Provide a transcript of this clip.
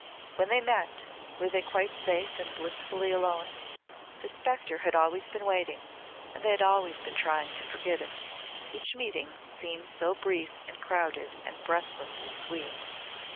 When they met were they quite safe and blissfully alone? The spectre had always been waiting and they had always been trying to forget it. Each meeting had seemed so brief and crowded and breathlessly sweet.